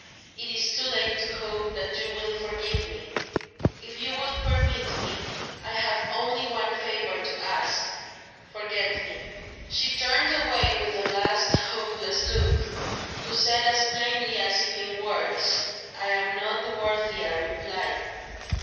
It is too late to hope that you will forgive me. If you will permit it, I have only one favour to ask. Forget me." She turned away with a last hopeless look, who said as plainly as if in words: "I am not worth a reply."